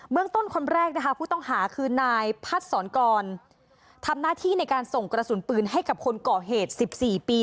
เมืองต้นคนแรกนะคะผู้ต้องหาคือนายพัดสอนกรทำหน้าที่ในการส่งกระสุนปืนให้กับคนก่อเหตุ๑๔ปี